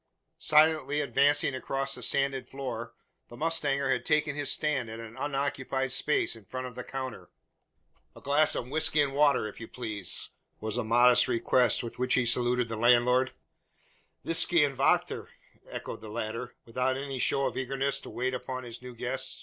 Silently advancing across the sanded floor, the mustanger had taken his stand at an unoccupied space in front of the counter. "A glass of whisky and water, if you please?" was the modest request with which to saluted the landlord. "Visky und vachter!" echoed the latter, without any show of eagerness to wait upon his new guest.